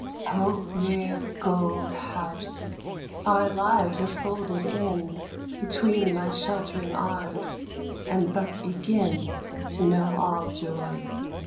O rare gold house, our lives are folded in Between thy sheltering arms and but begin To know all joy.